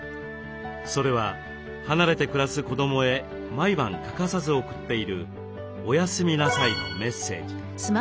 それは離れて暮らす子どもへ毎晩欠かさず送っている「おやすみなさい」のメッセージ。